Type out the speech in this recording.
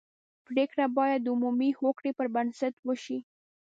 پرېکړه باید د عمومي هوکړې پر بنسټ وشي.